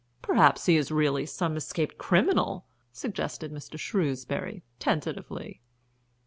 "Perhaps he is really some escaped criminal?" suggested Mr. Shrewsbury, tentatively.